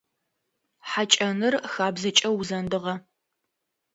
Хьакӏэныр хабзэкӏэ узэндыгъэ.